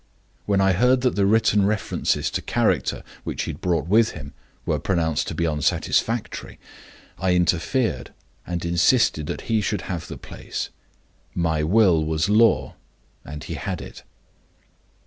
When I heard that the written references to character which he had brought with him were pronounced to be unsatisfactory, I interfered, and insisted that he should have the place. My will was law, and he had it.